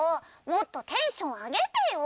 もっとテンション上げてよ！